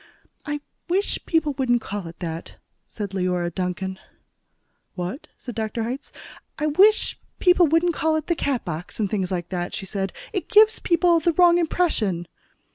"I wish people wouldn't call it that," said Leora Duncan. "What?" said Dr. Hitz. "I wish people wouldn't call it 'the Catbox,' and things like that," she said. "It gives people the wrong impression."